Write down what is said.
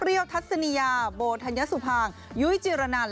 เปรี้ยวทัศนียาโบทัยสุภางยุ้ยจิรณาน